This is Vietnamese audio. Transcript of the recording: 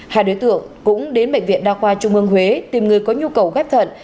hai đối tượng cũng đến bệnh viện đa khoa trung ương huế tìm người có nhu cầu ghép thận